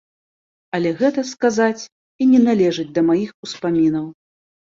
Але гэта, сказаць, і не належыць да маіх успамінаў.